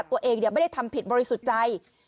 ตัวเองไม่ได้ทำผิดบริสุทธิ์ใจ